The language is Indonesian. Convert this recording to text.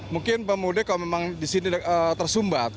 mungkin pemudik kalau memang di sini tersumbat